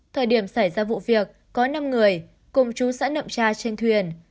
thời điểm xảy ra vụ việc có năm người cùng chú xã nậm tra trên thuyền